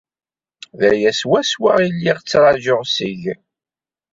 D aya swaswa i lliɣ ttrajuɣ seg-k.